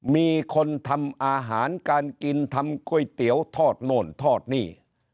มีคนทำอาหารการกินทำก๋วยเตี๋ยวทอดโน่นทอดนี่